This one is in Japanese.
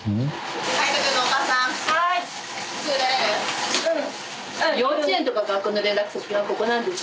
はい。